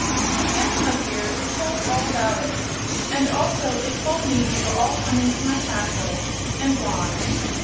"Yes, my dear; it told all about it. And also it told me you were all coming to my castle, and why."